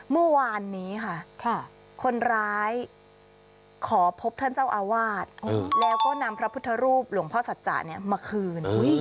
เมื่อวานนี้ค่ะคนร้ายขอพบท่านเจ้าอาวาสแล้วก็นำพระพุทธรูปหลวงพ่อสัจจะมาคืน